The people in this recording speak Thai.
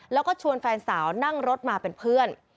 แล้วก็ชวนแฟนสาวนั่งรถมาเป็นเพื่อน